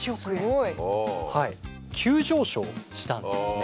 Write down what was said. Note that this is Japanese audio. すごい！急上昇したんですね。